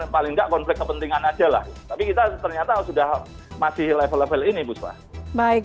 paling nggak konflik kepentingan ajalah tapi kita ternyata sudah masih level level ini buslah baik